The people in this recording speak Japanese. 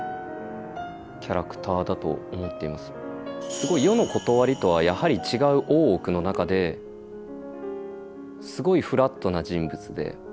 すごい世のことわりとはやはり違う大奥の中ですごいフラットな人物で。